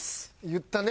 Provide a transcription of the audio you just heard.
言ったね。